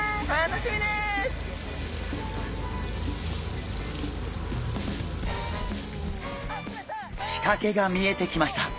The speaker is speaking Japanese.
しかけが見えてきました！